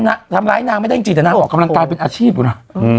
นางทำร้ายนางไม่ได้จริงแต่นางออกกำลังกายเป็นอาชีพอยู่นะ